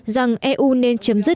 rằng eu nên chấm dứt